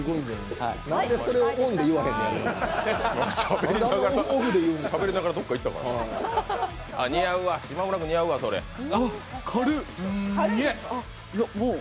何でそれをオンで言わへんのやろう。